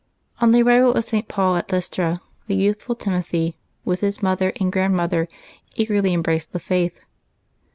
On the arrival of St. Paul at Lystra the youthful Timothy, with his mother and grand mother, eagerly embraced the faith.